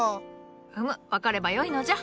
うむ分かればよいのじゃ。